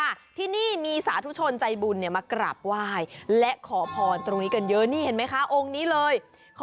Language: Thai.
ค่ะที่นี่มีสาธุชนใจบุญมากรับว่าย